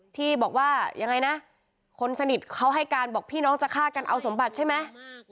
ที่บอกว่ายังไงนะคนสนิทเขาให้การบอกพี่น้องจะฆ่ากันเอาสมบัติใช่ไหม